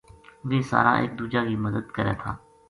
ویہ سارا ایک دُوجا کی مدد کرے تھا